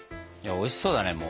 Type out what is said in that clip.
おいしそうだねもう。